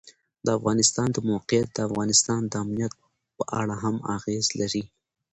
د افغانستان د موقعیت د افغانستان د امنیت په اړه هم اغېز لري.